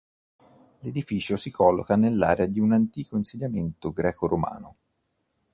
L'edificio si colloca nell'area di un antico insediamento greco-romano.